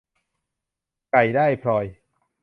ไก่ได้พลอย